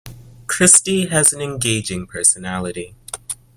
Christy has an engaging personality.